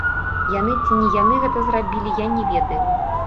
Яны ці не яны гэта зрабілі, я не ведаю.